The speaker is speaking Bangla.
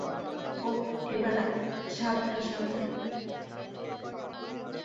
ওহ, এবার, সাবধান, সাবধান।